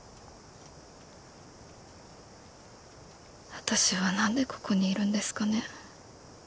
私はなんでここにいるんですかね。